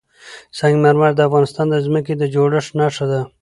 سنگ مرمر د افغانستان د ځمکې د جوړښت نښه ده.